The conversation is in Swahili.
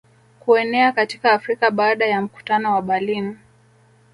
Kuenea katika Afrika baada ya mkutano wa Berlin